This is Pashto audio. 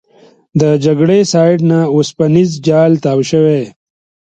د جګړې سایټ نه اوسپنیز جال تاو شوی.